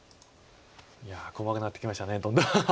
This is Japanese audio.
いや細かくなってきましたどんどん。